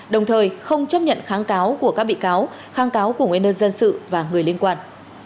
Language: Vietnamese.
đồng thời không chấp nhận kháng cáo của các bị cáo kháng cáo của nguyên đơn dân sự và người liên quan